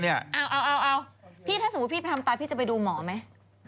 เอาแบบนี้ถ้าสมมติว่าพี่ทำตาจะไปดูหมอร์ไหม